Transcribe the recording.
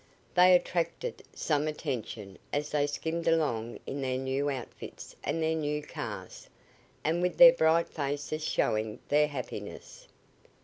They attracted some attention as they skimmed along in their new outfits and their new cars, And with their bright faces showing their happiness.